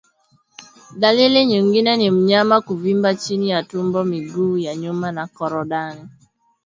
Dalili nyingine ni mnyama kuvimba chini ya tumbo miguu ya nyuma na korodani